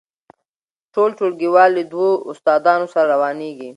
ټول ټولګیوال له دوو استادانو سره روانیږي.